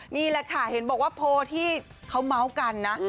นี่แหละค่ะเห็นบอกว่าโพลที่เขาเมาส์กันนะ